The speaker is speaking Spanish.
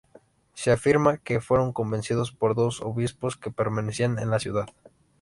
Se afirma que fueron convencidos por dos obispos que permanecían en la ciudad.